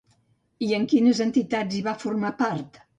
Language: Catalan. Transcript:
I en quines entitats hi va formar part?